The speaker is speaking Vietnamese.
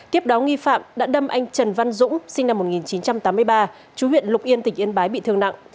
tiếp đó nghi phạm đã đâm anh trần văn dũng sinh năm một nghìn chín trăm tám mươi ba chú huyện lục yên tỉnh yên bái bị thương nặng